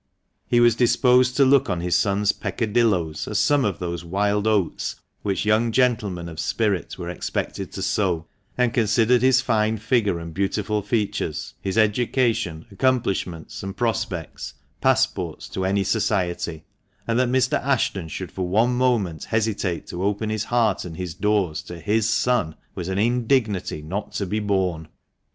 He was disposed to look on his son's peccadilloes as some of those " wild oats " which young gentlemen of spirit were expected to sow, and considered his fine figure and beautiful features, his education, accomplishments, and prospects, passports to any society ; and that Mr. Ashton should for one moment hesitate to open his heart and his doors to his son, was an indignity not to be borne.